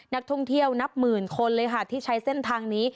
นักท่องเที่ยวนับหมื่นคนเลยค่ะที่ใช้เส้นทางนี้